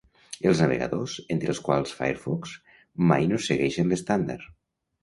Els navegadors, entre els quals Firefox, mai no segueixen l'estàndard.